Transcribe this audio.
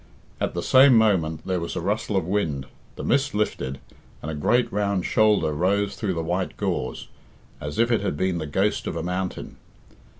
At the same moment there was a rustle of wind, the mist lifted, and a great round shoulder rose through the white gauze, as if it had been the ghost of a mountain.